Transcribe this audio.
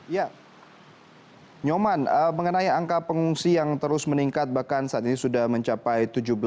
ya nyoman mengenai angka pengungsi yang terus meningkat bahkan saat ini sudah mencapai tujuh belas